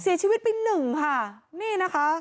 เสียชีวิตไป๑ค่ะนี่นะคะ